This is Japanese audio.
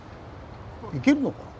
行けるのかな。